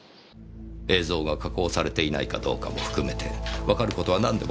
映像が加工されていないかどうかも含めてわかる事は何でも結構です。